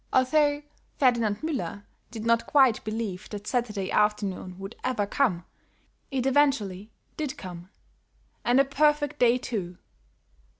Although Ferdinand Müller did not quite believe that Saturday afternoon would ever come, it eventually did come; and a perfect day, too.